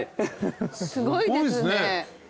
すごいですね。